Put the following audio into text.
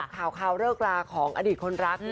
อยากเขลาเลิกลาของอดิตคนรักนะคะ